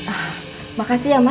ah makasih ya mas